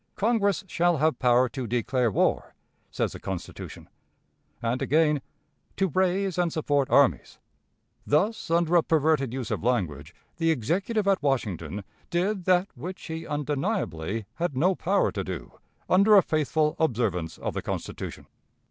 "Congress shall have power to declare war," says the Constitution. And, again, "to raise and support armies." Thus, under a perverted use of language, the Executive at Washington did that which he undeniably had no power to do, under a faithful observance of the Constitution.